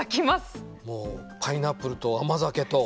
もうパイナップルと甘酒と。